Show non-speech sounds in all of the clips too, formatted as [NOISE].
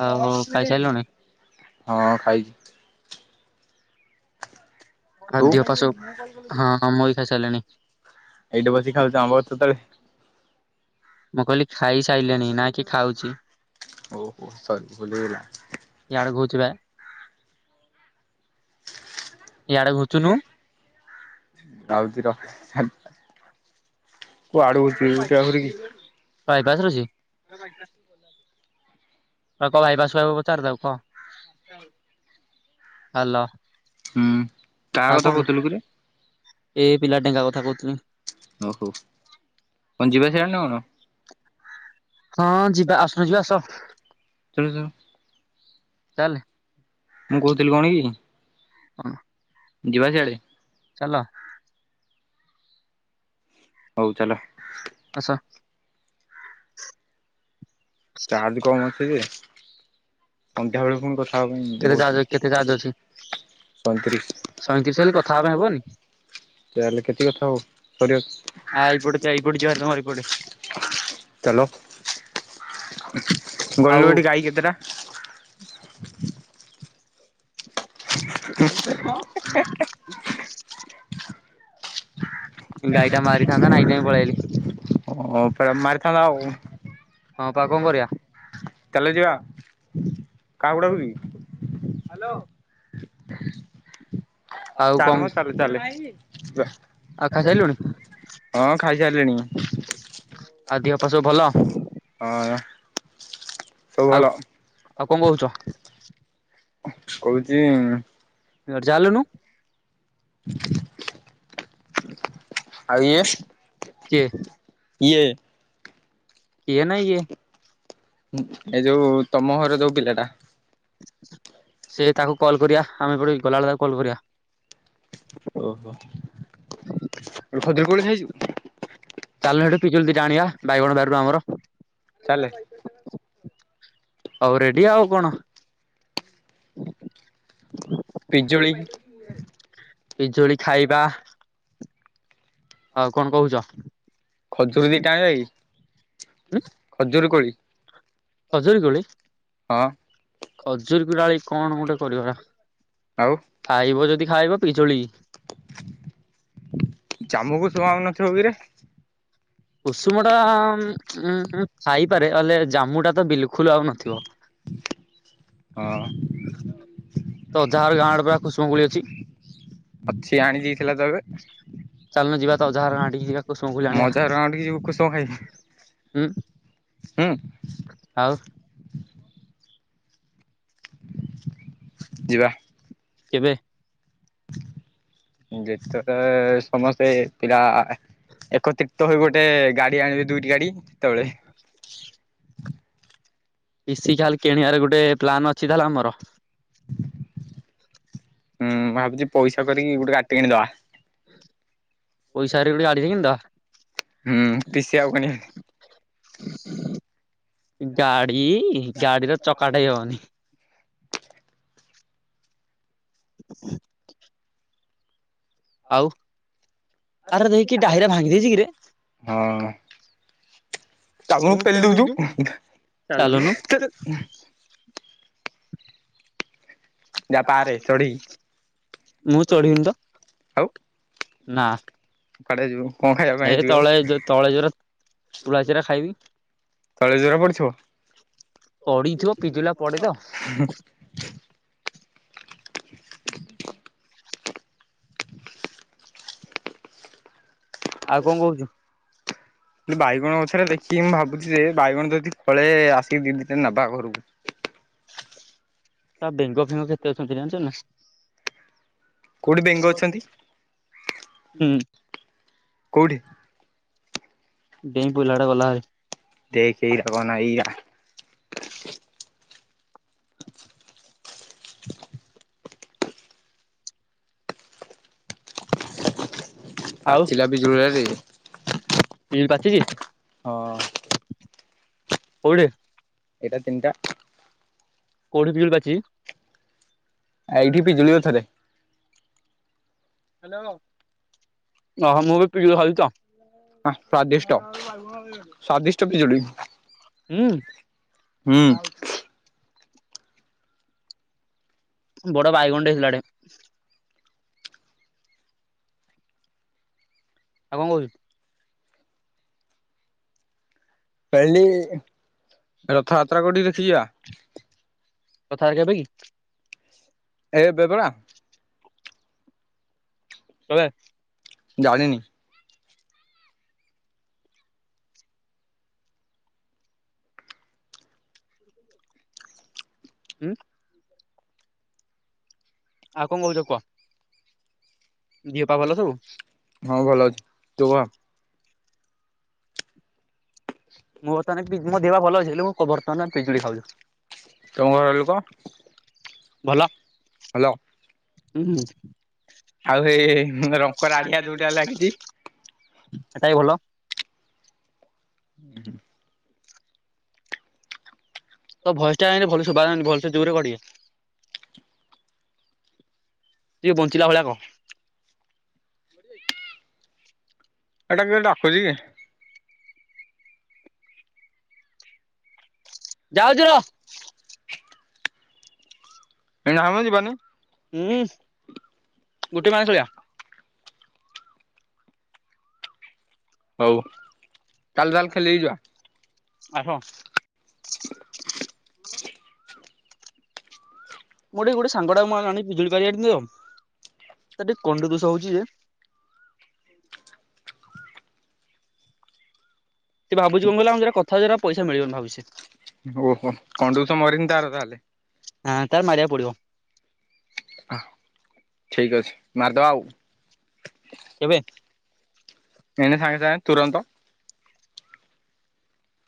ଆଉ ଖାଇସାରିଲୁଣି? ହଁ ଖାଇଛି। ତୁ ଆଜି ଉପାସ ହଁ ମୁ ଏଇ ଖାଇ ସାରିଲିଣି। ଏଇଠି ବସିିକି ଖାଉଛ ଆମ୍ବଗଛ ତଳେ। ମୁଁ କହିଲି ଖାଇସାରିଲିଣିି ନା କି ଖାଉଛି। ଓହୋ ସରି ଭୁଲିଗଲା ସିଆଡେ ଘୁଞ୍ଚୁବେ। ଇଆଡେ ଘୁଚୁନୁ ଆଉଛି ରହ କୁଆଡୁ ଚିଉଚା ଘୁରିକି ବାଇପାସ ରେ ଅଛି। ତାକୁ କହ ବାଇପାସ ପାଖକୁ ଛାଡିଦେବାକୁ ତାକୁ କହ ହ୍ୟାଲୋ। ହୁଁ କାହା ଆ କଥା କଣ କହୁ? କହୁଥିଲୁ କିରେ ଏ ପିଲା ଡେଙ୍ଗା କଥା କହୁଥିଲି। ଓହୋ କଣ ଯିବ ସିଆଡେ ନାଁ କଣ? ହଁ ଯିବା ଆସୁନୁ ଯିବା ଆସ ଚାଲ ଚାଲ। ଚାଲେ ମୁଁ କହୁଥିଲି କଣ କି? ହଁ ଯିବା ସିଆଡେ ଚାଲ। ହଉ ଚାଲ ଆସ। ଚାର୍ଜ କମ ଅଛି ଯେ ସନ୍ଧ୍ୟାବେଳେ ପୁଣି କଥା ହବା କେତେ ପାଇଁ ଚାର୍ଜ କେତେ ଚାର୍ଜ ଅଛି କହୁଥିଲି। ସଇଁତିରିଶ ତାହେଲେ ହେଲେ କେତେ କଥା ହେବା ହେବନି ହେବ କରିବା ଆ ଏଇପଟେ ଏଇପଟେ ଯିବାର ତମର ଏଇପଟେ ଚାଲ ଆଉ ଗଣିଲଟି ଗାଈ କେତେଟା? [INAUDIBLE] ହ। [UNINTELLIGIBLE] ଗାଈଟା ମାରିଥାନ୍ତା ନା ଏଇତି ପାଇଁ ପଳେଆଇଲି। ଓ ପୁରା ମାରିଥାନ୍ତା ହଁ ପା ଆଉ। କଣ କରିବା କାଲି ଯିବା, କାହାକୁ ଡାକୁଚୁ କି? ହ୍ୟାଲୋ। ଆଉ କଣ ଚାଲ ମ ଚାଲେ ଚାଲେ ଆଉ ଖାଇସାରିଲୁଣି ହଁ କା ଆଉ ଦିହ ପା ସବୁ ଭଲ? ହଁ ସବୁ ଭଲ ଆଉ ଆଉ କଣ କହୁଛ? କହୁଚି ର ଚାଲୁନୁ। [INAUDIBLE] ଆଉ ଇଏ କିଏ? ଇଏ। କିଏ ନା ଇଏ? ଉଁ ଏଇ ଯୋଉ ତମ ଘରେ ଯୋଉ ପିଲା ଟା। ସେ ତାକୁ କଲ୍ କରିବା ଆମେ ଏପଟେ ବି ଗଲାବେଳେ ତାକୁ କଲ୍ କରିବା। ଓହୋ। ଏଠୁ ଖଜୁର କୋଳି ଚାଲୁନ ସେଠୁ ଖାଇଚୁ? ପିଜୁଳି ଦିଟା ଆଣିବା ବାଇଗଣ ବାରିରୁ ଆମର ଚାଲେ। ଆଉ ରେଡି ଆଉ କଣ? ପିଜୁଳି। ପିଜୁଳି ଖାଇବା। ଆଉ କଣ କହୁଛ? ଖଜୁରୀ ଦି ଟା ଆଣିବା କି? ଖଜୁରୁ କୋଳି। ଖଜୁରି କୋଳି। ହଁ। ଖଜୁରୀକୁ ଡାଳି କଣ ଗୋଟେ କରିବା? ଆଉ ଖାଇବ ଯଦି ଖାଇବ ପିଜୁଳି। ଜାମୁକୁ ଶୁଆଉନଥିବ କିରେ? କୁଷୁମ ଟା ଉ ଖାଇପାରେ ହେଲେ ଜାମୁ ଟା ତ ବିଲକୁ ହଁ। ତୋ ଅଜା ହର ଗାଁ ଆଡେ ପା କୁସୁମ କୋଳି ଅଛି। ଅଛି ଆଣି ଦେଇଥିଲା ତ ଏବେ ଚାଲୁନୁ ଯିବା ତ ଅଜାହାର ହାଟିକି ଯିବା କୁସୁମ କୋଳି ଆଣିବା। କଣ ଖାଇ ହୁଁ, ଆଉ? ଯିବା। କେବେ? ଯେତେବେଳେ ସମସ୍ତେ ପିଲା ଏକତ୍ରିତ ହୋଇ ଗୋଟେ ଗାଡି ଆଣିବେ ଦୁଇଟି ଗାଡି ସେତେବଳେ। [INAUDIBLE] ପିସି ଖାଲ କିଣିବାର ଗୋଟେ ପ୍ଲାନ ଅଛି ତାହେଲେ ଆମର? ହୁଁ, ମୁଁ ଭାବୁଛି ପଇସା କରିକି ଗୋଟେ ଗାଡ଼ିଟେ କିଣି ଦବା। ପଇସା ହେରିକା ଗୋଟେ ଗାଡିଟେ କିଣିଦବା। ହୁଁ, ପିସି ଆଉ କିଣିବାନି। ଗାଡି ଗାଡିର ଚକାଟାଏ ହେବନି। [INAUDIBLE] ଆଉ? ଆରେ ହଁ। ଦେଇକି ଡାହିରା ଭାଙ୍ଗି ଦେଇଛି କିରେ ଚାଲୁନୁ ପେଲି ଦଉଚୁ ଚାଲୁନୁ ଚାଲ। ଯା ପାରେ ଚଢିକି ମୁଁ ତୋଳିନି ତ। ଆଉ ନା। କୁଆଡେ ଯିବୁ? କଣ ଖାଇବା ପାଇଁ ଏ ଯିବୁ ଆଉ ତଳେ ଯଉ ତଳେ ଜୋର ତୁଳା ଚିରା ଖାଇବି। ତଳେ ଜୋରା ପଡିଥିବ। ପଡିଥିବ ପିଜୁଲା ପଡେ ତ [UNINTELLIGIBLE] ଆଉ କଣ କହୁଛୁ? କି ବାଇଗଣ ଗଛରେ ଦେଖିକି ମୁଁ ଭାବୁଛି ଯେ ବାଇଗଣ ଯଦି ଫଳେ ଆସିକି ଦି ଦିଟା ନେବ। ବାହାଘରକୁ। ତା ବେଙ୍କ ଫେଙ୍କ କେତେ ଅଛନ୍ତି ଜାଣିଛ ନା? କୋଉଠି ବେଙ୍ଗ ଅଛନ୍ତି? ହୁଁ କୋଉଠି? ଡେଇଁ ପଇଲା ଏଟା ଗଲା ଦେଖ ଏଇରା କହନା ହାରି ଏଇରା ଆଉ ପାଚିଲା ପିଜୁଳିରା ରେ ପିଜୁଳି ପାଚିଛି। ହଁ। କୋଉଠି? ଏଇଟା ତିନିଟା। କଉଠି ପିଜୁଳି ପାଚି? ଏଇଠି ପିଜୁଳି ଗଛରେ। [UNINTELLIGIBLE] ହଁ ସ୍ୱାଦିଷ୍ଟ ସ୍ୱାଦିଷ୍ଟ ପିଜୁଳି। ହୁଁ ହୁଁ। ବଡ ଭାଇଗନ ଟେ ହେଲାଟେ। ଆଉ କଣ କହୁଛୁ? ପେଲି ରଥଯାତ୍ରା କୋଉଠିକି ଦେଖିଜିବା? ରଥଯାତ୍ରା କେଭେ କି? ଏଇ ଏବେ ପରା। କେବେ? ଜାଣିନି। ହୁଁ। ଆଉ କଣ କହୁଛ କୁହ। ଦିଅପା ଭଲ ସବୁ? ହଁ ଭଲ ଅଛି ତୁ କହ? ମୋର ଏନା ପିଜୁଳି ମୋ ଦେହ ଭଲ ଅଛି ହେଲେ ମୁଁ ବର୍ତ୍ତମାନ ପିଜୁଳି ଖାଉଛୁ। ତମ ଘରଲୋକ ଭଲ ହ୍ୟାଲୋ। ହୁଁ। ଆଉ ହେ ହେ ରଙ୍କ ରାଡିିଆ ଯୋଉଟା ଲାଗିଛି। ସେଟାବି ଭଲ। ହୁଁ। ତୋ ଭଏସଟା କାଏଁ ଭଲ ଶୁବା ଯାଉନି ଭଲସେ ଜୋରେ କହ ଟିକେ। ତିକେ ବଞ୍ଚିଲା ଭଳିଆ କହ। ଏଟା କି ଡାକୁୁଛି କି? ଯାଉଛି ରହ। ଏନାମ ଯିବାନି। ହୁଁ ଗୋଟେ ମା ଶୋଇଆ। ହଉ କାଲି ତାଲ ଖେଲି ଯିବା। ଆସ। ମୁଁ ଗୋଟେ ଗୋଡେ଼ ସାଙ୍ଗଟାକୁ ମୁଁ ଆଣି ପିଜୁଳି ପାରି ଆଇଚି ତିଓ। ତା ଟିକେ! ! ! ! ! ! ! ! ! ! ଦୋଷ ହଉଛି। ସେ ଭାବୁଛି କଣ କହିଲ ଆମେ ଯୋଉଟା କଥା ହେଉଛି ସେଈଟା ପଇସା ମିଳିବନି ଭାବୁଛି। ଓହୋ କଣ୍ଡୁସ ମରିନି ତାର [UNINTELLIGIBLE] ତାହେଲେ ହ ତାର! ! ! ! ! ! ! ! ! ! ପଡିବ। ଅଁ ଠିକ୍ ଅଛି ମାରିଦବା ଆଉ। କେବେ? ଏଇନା ସାଙ୍ଗେ ସାଙ୍ଗେ ତୁରନ୍ତ।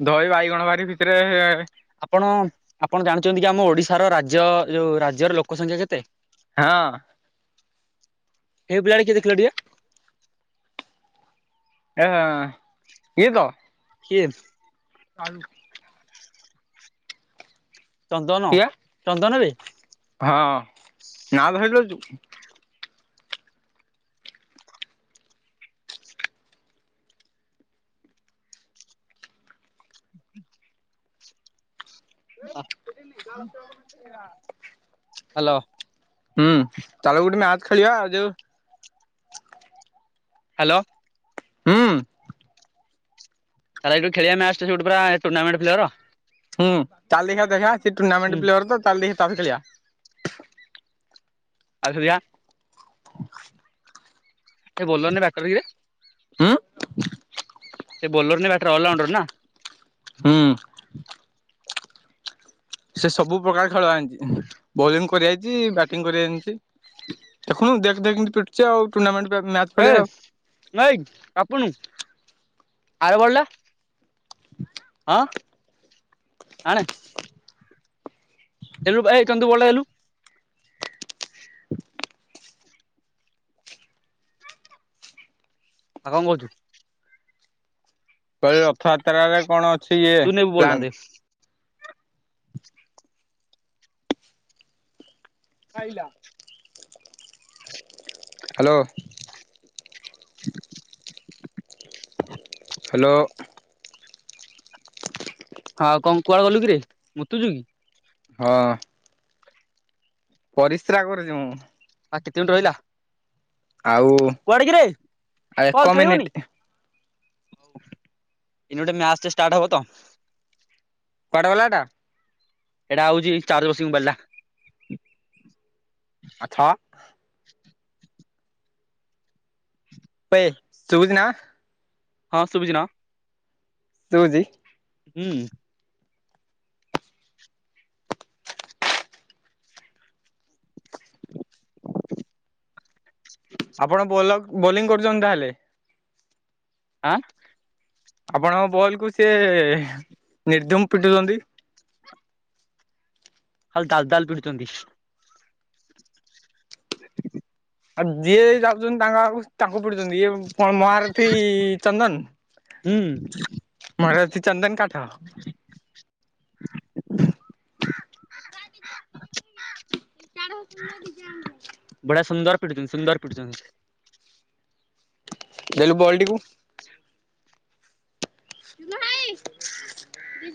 ଦହି ବାଇଗଣ ବାରି ଭିତରେ ଆପଣ ଆପଣ ଜାଣି ଛନ୍ତି କି, ଆମ ଓଡିଶାର ରାଜ୍ୟ ଯୋଉ ରାଜ୍ୟର ଲୋକ ସଂଂଖ୍ୟା କେତେ? ହଁ। ହେ ପିଲାଟି କିଏ ଦେଖିଲ ଟିକେ। ଏ ହଁ ଇଏତ। କିଏ? [UNINTELLIGIBLE] ଚାଲୁ। ଚନ୍ଦନ କିଏ ଚନ୍ଦନ ବେ। ହଁ ନା ଧଇଲୁ ନା ତୁ। ହ୍ୟାଲୋ। ହୁଁ ଚାଲବେ ଗୋଟେ ମ୍ୟାଚ ଖେଳିବା ଯୋଉ ହ୍ୟାଲୋ। ହୁଁ। ତାହେଲେ ଏଇଠୁ ଖେଳିବା ମ୍ୟାଚ ସବୁଠି ପୁରା ଟୁର୍ଣ୍ଣାମେଣ୍ଟ ପ୍ଲେଅର୍। ହୁଁ ତାହେଲେ ଦେଖିବା ଦେଖିବା ସେ ହୁଁ ଟୁର୍ଣ୍ଣାମେଣ୍ଟ ପ୍ଲେୟର ତ, ତାଲେ ଦେଖି ତା ଖେଳିବା। ଆସ ଯିବା। ଏ ବୋଲର ନା ବ୍ୟାଟର କିରେ। ହୁଁ ସେ ବୋଲର ନା ବ୍ୟାଟର ଅଲରାଉଣ୍ଡର ନା। ହୁଁ। ସେ ସବୁ ପ୍ରକାର ଖେଳ ଜାଣିଛି। ବୋଲିଂ କରି ଆଇଛି ବ୍ୟାଟିଂ କରି ବା ଜାଣିଛି। ଦେଖୁନୁ ଦେଖ ଦେଖ କେମିତି ପିଟୁଛି ଆଉ ଟୁର୍ଣାମେଟ୍ ଏ ନେ ପାପୁନ ଆର ବଲ୍ ଟା। ଆଣ। ଦେଲୁ ଏ ଚନ୍ଦୁ ବଲ ଟା ଦେଲୁ। ଆଉ କଣ କହୁଛୁ? କହିଲି ରଥଯାତ୍ରାରେ କଣ ଅଛି? ଇଏ ତୁ ନେବୁ ବଲଟା ପ୍ଲାନ୍ ଦେ। ଖାଇଲା। ହ୍ୟାଲୋ। [INAUDIBLE] ହ୍ୟାଲୋ। ହଁ ଆଉ କ କୁଆଡେ ଗଲୁ କି ରେ! ! ! ! ! ! ! ! ! ! କି। ହଁ। ! ! ! ! ! ! ! ! ! ! କରୁଛି ମୁଁ। ଆ କେତେମିନଟ୍ ରହିଲା ଆଉ କୁଆଡେ କିରେ ଆଉ ବଲ ଏକ ମିନିଟ ଖେଳିବୁନି? ଏଇନା ଗୋଟେ ମ୍ୟାଚ୍ ଟେ ଷ୍ଟାର୍ଟ ହବ ତ। କୁଆଡେ଼ ଗଲା ଏଟା। ସେଇଟା ହଉଛି ଚାର୍ଜ ବସିଚି ମୋବାଇଲ୍ ଟା। ଆଛା। ପେ ସୁଭୁଛିନା। ହଁ ସୁବୁଛିନା। ଶୁଭୁଛି। ହୁଁ। [INAUDIBLE] ଆପଣ ବୋଲ-ବୋଲିଂ କରୁଛନ୍ତି ତାହେଲେ? ଆଁ। ଆପଣଙ୍କ ବଲ କୁ ସିଏ ନିର୍ଦୁମ ପିଟୁଛନ୍ତି? ଖାଲି ଦାଲ୍-ଦାଲ୍ ପିଟୁଛନ୍ତି। [INAUDIBLE] ଆଉ ଯିଏ ଯାଉଚନ୍ତି ତାଙ୍କ ଆଗକୁ, ତାକୁ ପିଡୁଚନ୍ତି ଇଏ। କଣ ମହାରଥୀ ଚନ୍ଦନ। ହୁଁ ମହାରଥୀ ଚନ୍ଦନ୍ କାଠ। [INAUDIBLE] [INAUDIBLE] ବଢିଆ [UNINTELLIGIBLE] ସୁନ୍ଦର ପିଟୁଛନ୍ତି ସୁନ୍ଦର ପିଟଛନ୍ତି। ଦେଲୁ ବଲ୍ ଟିକୁ। ଚୂନ ଭାଇ, ଡିଜେ।